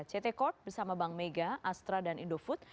ct corp bersama bank mega astra dan indofood